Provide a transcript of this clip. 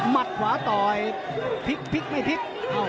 มัดขวาต่อยพลิกพลิกไม่พลิก